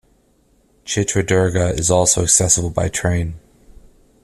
Chitradurga is also accessible by train.